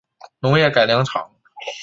农业改良场